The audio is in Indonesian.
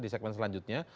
di segmen selanjutnya